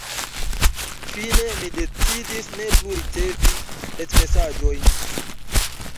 Fine mi decidis ne plu ricevi retmesaĝojn.